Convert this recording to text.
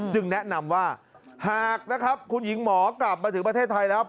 แนะนำว่าหากนะครับคุณหญิงหมอกลับมาถึงประเทศไทยแล้ว